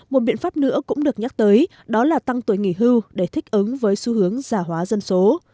một biện pháp nữa cũng được nhắc tới đó là tăng tuổi nghỉ hưu để thích ứng với xu hướng giả hóa dân số